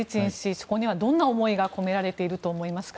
そこにはどんな思いが込められていると思いますか？